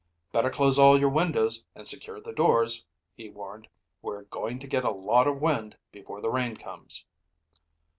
"Better close all your windows and secure the doors," he warned. "We're going to get a lot of wind before the rain comes."